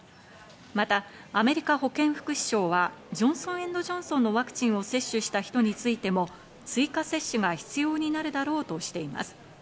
またアメリカ保健福祉省はジョンソン・エンド・ジョンソンのワクチンを接種した人についても、追加接種が必要になるだろうとしています。